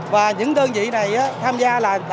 và những đơn vị này tham gia là tại vì cho những chùa